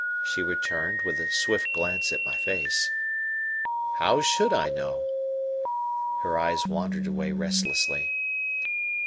she returned, with a swift glance at my face. "How should I know?" Her eyes wandered away restlessly.